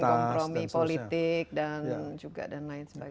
ya mungkin kompromi politik dan juga dan lain sebagainya